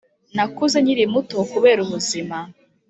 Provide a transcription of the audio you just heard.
nakuze nkiri muto kubera ubuzima